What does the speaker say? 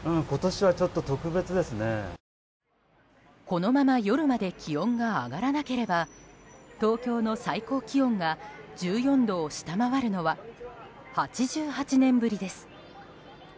このまま夜まで気温が上がらなければ東京の最高気温が１４度を下回るのは８８年ぶりです。